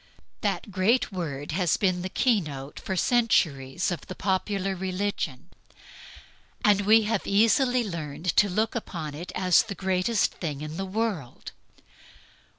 That great word has been the key note for centuries of the popular religion; and we have easily learned to look upon it as the greatest thing in the world.